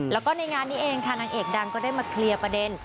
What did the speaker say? แล้วก็ในงานนี้เองค่ะนางเอกดังก็ได้มาเคลียร์ประเด็น